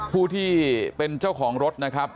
ผู้ที่เป็นเจ้าของรถนะครับ